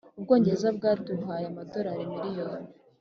ubwongereza bwaduhaye amadorari miliyoni